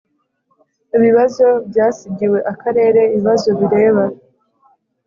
ibibazo byasigiwe akarere ibibazo bireba